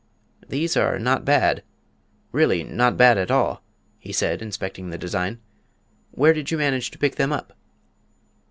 "These are not bad really not bad at all," he said, inspecting the design. "Where did you manage to pick them up?"